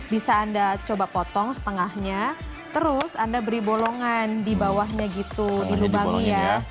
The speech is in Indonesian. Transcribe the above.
bisa anda coba potong setengahnya terus anda beri bolongan di bawahnya gitu dilubangi ya